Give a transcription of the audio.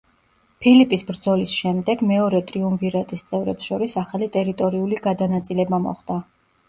ფილიპის ბრძოლის შემდეგ, მეორე ტრიუმვირატის წევრებს შორის ახალი ტერიტორიული გადანაწილება მოხდა.